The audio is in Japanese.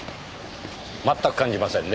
全く感じませんね。